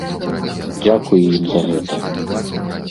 Дзякуй ім за гэта!